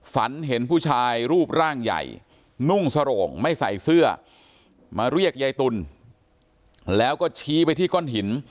ฝันเห็นผู้ชายรูปร่างใหญ่นุ่งสโรงไม่ใส่เสื้อมาเรียกยายตุลแล้วก็ชี้ไปที่ก้อนหิน